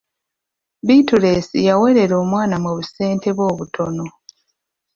Bittuleesi yaweerera omwana mu busente bwe obutono.